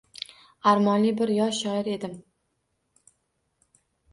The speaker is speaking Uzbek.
Armonli bir yosh shoir edim.